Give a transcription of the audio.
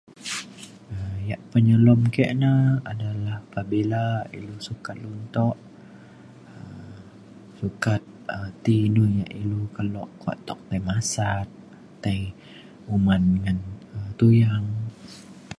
ia' penyelem ke ne adalah pabila ilu sukat luntok um sukat um ti inu ia' ilu kelo kua tuk tai masat tai uman ngan um tuyang